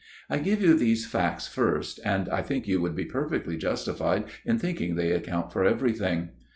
I give you these facts first, and I think you would be perfectly justified in thinking they account for everything.